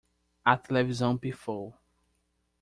A televisão pifou